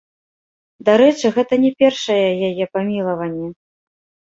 Дарэчы, гэта не першае яе памілаванне.